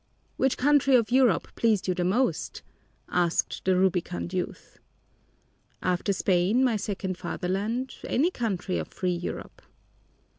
"Which country of Europe pleased you the most?" asked the rubicund youth. "After Spain, my second fatherland, any country of free Europe."